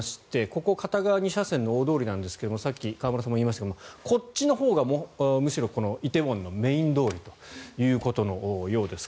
ここ片側２車線の大通りなんですがさっき、河村さんも言いましたがこっちのほうがむしろ梨泰院のメイン通りということのようです。